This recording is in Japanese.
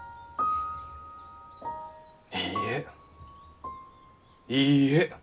いいえいいえ！